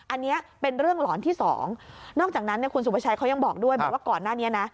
อันนี้เป็นเรื่องหลอนที่สองนอกจากนั้นคุณสุภาชัยเขายังบอกด้วยบอกว่าก่อนหน้านี้นะ